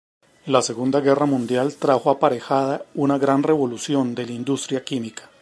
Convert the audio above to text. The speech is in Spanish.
La segunda guerra mundial trajo aparejada una gran revolución de la industria química.